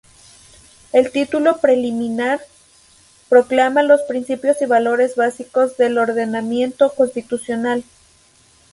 El Título Preliminar proclama los principios y valores básicos del ordenamiento constitucional.